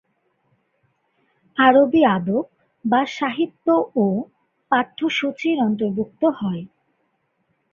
আরবি আদব বা সাহিত্যও পাঠ্যসূচির অন্তর্ভুক্ত হয়।